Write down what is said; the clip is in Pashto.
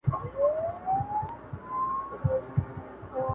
او فرمان له شریعته مخالف نه دی